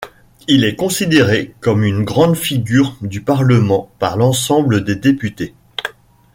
Il est considéré comme une grande figure du parlement par l’ensemble des députés.